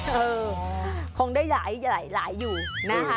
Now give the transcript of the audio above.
เออคงได้หลายอยู่นะคะ